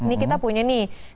ini kita punya nih